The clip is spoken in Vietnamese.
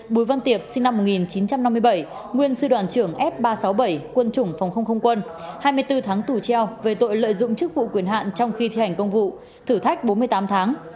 bùi văn tiệp sinh năm một nghìn chín trăm năm mươi bảy nguyên sư đoàn trưởng f ba trăm sáu mươi bảy quân chủng phòng không không quân hai mươi bốn tháng tù treo về tội lợi dụng chức vụ quyền hạn trong khi thi hành công vụ thử thách bốn mươi tám tháng